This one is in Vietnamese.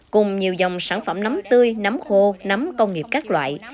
cùng nhiều dòng sản phẩm nắm tươi nắm khô nắm công nghiệp các loại